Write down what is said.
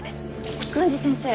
郡司先生